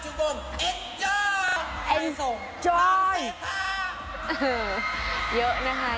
อีฟสงครองเสมม์ค่ะ